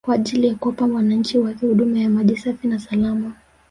kwa ajili ya kuwapa wananchi wake huduma ya maji safi na salama